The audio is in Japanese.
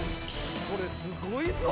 これすごいぞ！